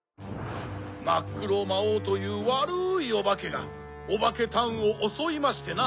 まっくろまおうというわるいオバケがオバケタウンをおそいましてな。